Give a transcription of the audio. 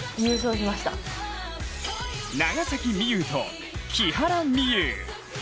長崎美柚と木原美悠。